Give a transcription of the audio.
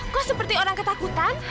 kau seperti orang ketakutan